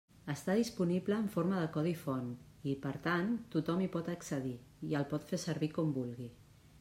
Està disponible en forma de codi font i, per tant, tothom hi pot accedir i el pot fer servir com vulgui.